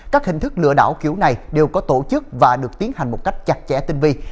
các hình thức lừa đảo kiểu này đều có tổ chức và được tiến hành một cách chặt chẽ tinh vi